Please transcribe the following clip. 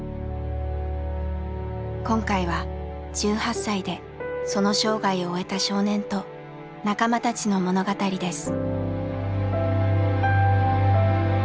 今回は１８歳でその生涯を終えた少年と仲間たちの物語です。